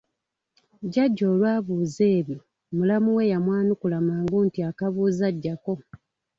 Jjajja olwabuuza ebyo mulamu we yamwanukula mangu nti akabuuza ggyako.